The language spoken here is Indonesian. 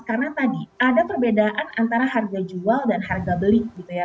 karena tadi ada perbedaan antara harga jual dan harga beli gitu ya